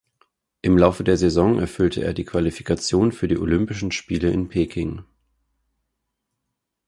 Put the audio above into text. Im Laufe der Saison erfüllte er die Qualifikation für die Olympischen Spiele in Peking.